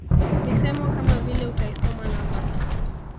Misemo kama vile utaisoma namba